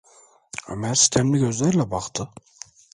Ömer sitemli gözlerle baktı.